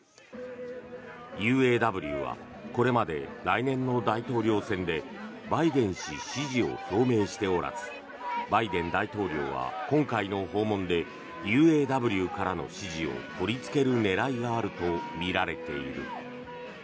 ＵＡＷはこれまで来年の大統領選でバイデン氏支持を表明しておらずバイデン大統領は今回の訪問でＵＡＷからの支持を取りつける狙いがあるとみられている。